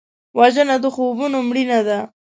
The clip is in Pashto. وژنه د خوبونو مړینه ده